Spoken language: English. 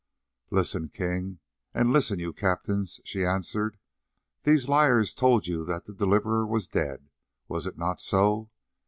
"Listen, King, and listen, you, captains," she answered. "These liars told you that the Deliverer was dead, was it not so?